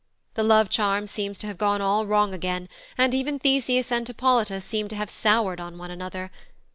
The love charm seems to have gone all wrong again, and even Theseus and Hippolyta seem to have soured on one another.